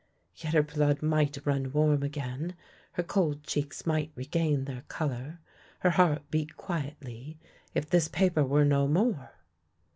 Yet her blood might run warm again, her cold cheeks might regain their colour, her heart beat quietly if this paper were no more!